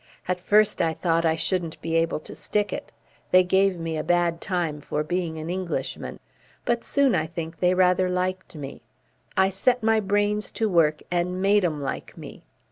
At first I thought I shouldn't be able to stick it. They gave me a bad time for being an Englishman. But soon, I think, they rather liked me. I set my brains to work and made 'em like me.